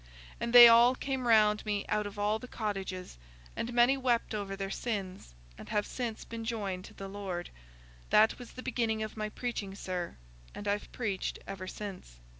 And they all came round me out of all the cottages, and many wept over their sins, and have since been joined to the Lord. That was the beginning of my preaching, sir, and I've preached ever since."